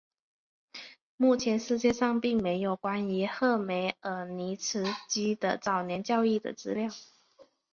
目前世界上并没有关于赫梅尔尼茨基的早年教育的资料。